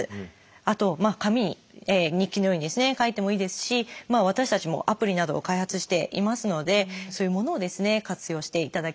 あと紙に日記のように書いてもいいですし私たちもアプリなどを開発していますのでそういうものを活用していただければなと思います。